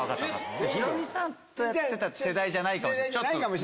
ヒロミさんとやってた世代じゃないかもしれない。